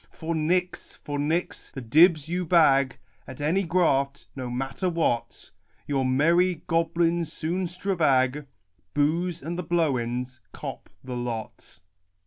For nix, for nix the dibbs you bag At any graft, no matter what ! Your merry goblins soon stravag: Booze and the blowens cop the lor.